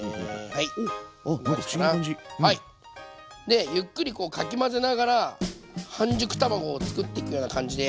でゆっくりこうかき混ぜながら半熟卵をつくっていくような感じで。